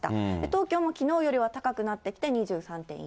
東京もきのうよりは高くなってきて２３．４度。